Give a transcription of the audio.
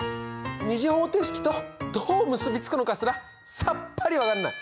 ２次方程式とどう結び付くのかすらさっぱり分かんない。